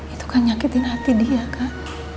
itu kan nyakitin hati dia kan